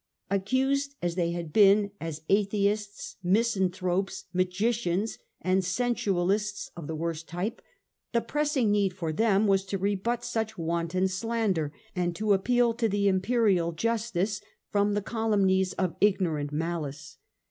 Accused as they had been as atheists, misanthropes, magicians, and sensualists of the worst type, the pressing need for them was to rebut such wanton slander, and to appeal to the imperial justice from the calumnies of ig norant malice.